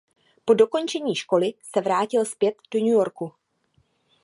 Po dokončení školy se vrátil zpět do New Yorku.